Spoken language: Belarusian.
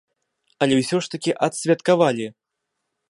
Але ўсё ж адсвяткавалі.